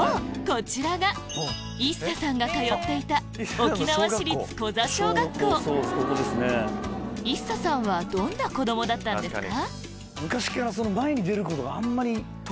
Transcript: こちらがＩＳＳＡさんが通っていたＩＳＳＡさんはどんな子供だったんですか？